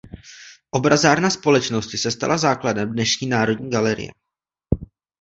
Obrazárna Společnosti se stala základem dnešní Národní galerie.